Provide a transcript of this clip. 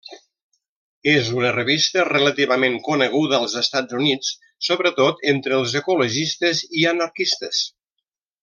És una revista relativament coneguda als Estats Units, sobretot entre els ecologistes i anarquistes.